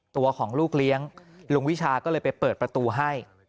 ตัวของลูกเลี้ยงลุงวิชาก็เลยไปเปิดประตูให้